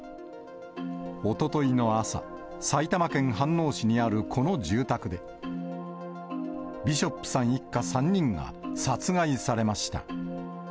おとといの朝、埼玉県飯能市にあるこの住宅で、ビショップさん一家３人が、殺害されました。